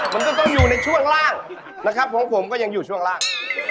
มันก็ต้องอยู่ในช่วงล่างนะครับของผมก็ยังอยู่ช่วงล่าง